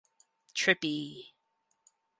Trippy.